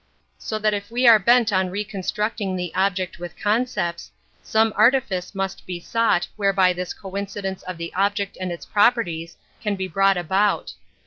So that if we are bent \'^•' 20 An Introduction fo on reconstructing the object with concepts, some artifice must be sought whereby this coincidence of the object and its properties can be brought about.